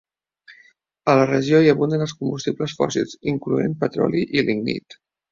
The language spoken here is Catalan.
A la regió hi abunden els combustibles fòssils incloent petroli i lignit.